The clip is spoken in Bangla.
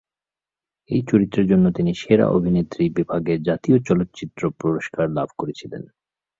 এই চরিত্রের জন্য তিনি সেরা অভিনেত্রী বিভাগে জাতীয় চলচ্চিত্র পুরস্কার লাভ করেছিলেন।